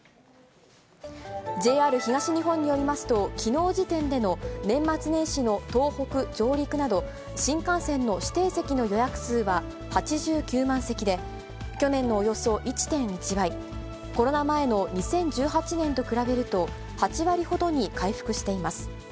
ＪＲ東日本によりますと、きのう時点での年末年始の東北、上越など、新幹線の指定席の予約数は８９万席で、去年のおよそ１．１倍、コロナ前の２０１８年と比べると８割ほどに回復しています。